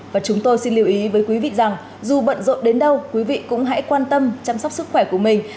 và chúng tôi xin lưu ý với quý vị rằng dù bận rộn đến đâu quý vị cũng hãy quan tâm chăm sóc sức khỏe của mình